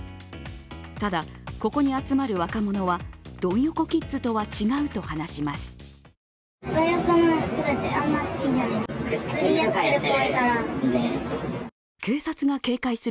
ただ、ここに集まる若者はドン横キッズとは違うと話します。